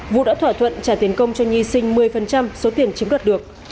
vũ đã thỏa thuận trả tiền công cho nhi sinh một mươi số tiền chiếm đoạt được